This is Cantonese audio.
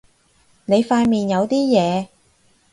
你塊面有啲嘢